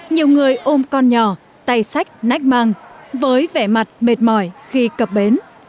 nhiều người ôm con nhỏ tay sách nách mang với vẻ mặt mệt mỏi khi cập bến